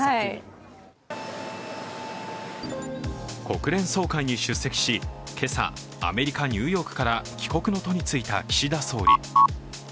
国連総会に出席し、今朝、アメリカ・ニューヨークから帰国の途についた岸田総理。